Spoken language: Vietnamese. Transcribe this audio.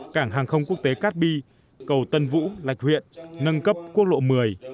cảng hàng không quốc tế cát bi cầu tân vũ lạch huyện nâng cấp quốc lộ một mươi